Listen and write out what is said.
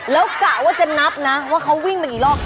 แล้วกะว่าจะนับนะว่าเขาวิ่งมากี่รอบ